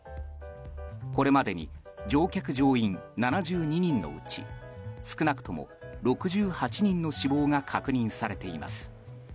これまでに乗客・乗員７２人のうち少なくとも６８人の死亡が確認されています。